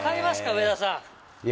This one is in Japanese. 上田さん。